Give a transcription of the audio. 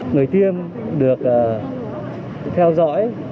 người tiêm được theo dõi